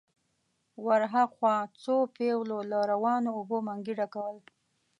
ور هاخوا څو پېغلو له روانو اوبو منګي ډکول.